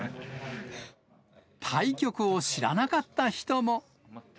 対局を知らなかった人も。